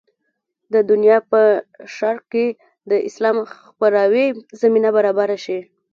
د دنیا په شرق کې د اسلام خپراوي زمینه برابره شي.